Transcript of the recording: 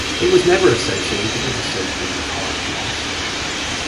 It was never associated with the so-called Hard Left.